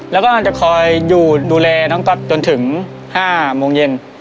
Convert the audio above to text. แล้วก็อันจะคอยอยู่ดูแลน้องก๊อตจนถึง๕โมงเย็น